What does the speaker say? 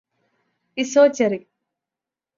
pizzoccheri